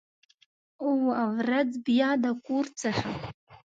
او، ورځ بیا د کور څخه